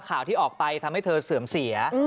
ข่าวที่ออกไปทำให้เธอเสื่อมเสีย